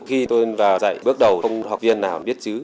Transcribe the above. khi tôi vào dạy bước đầu không học viên nào biết chứ